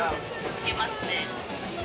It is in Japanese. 行けますね。